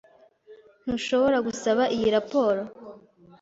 Ntushobora gusaba iyi raporo?